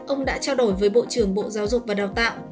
ông đã trao đổi với bộ trưởng bộ giáo dục và đào tạo